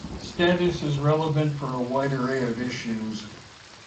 Status is relevant for a wide array of issues.